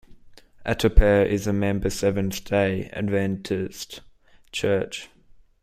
Atopare is a member Seventh-day Adventist Church.